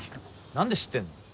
何で知ってんの？